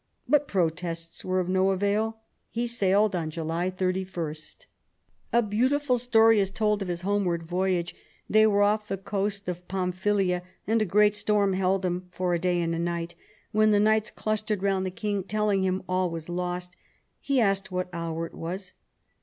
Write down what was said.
But protests were of no avail, and he sailed on July 31. A beautiful story is told of his homeward voyage. They were off the coast of Pamphylia, and a great storm held them for a day and night. When the knights clustered round the king telling him all was lost, he asked what hour it was.